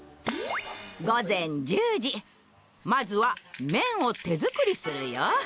まずは麺を手作りするよ。